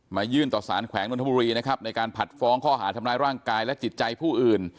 ยื่นต่อสารแขวงนนทบุรีนะครับในการผัดฟ้องข้อหาทำร้ายร่างกายและจิตใจผู้อื่น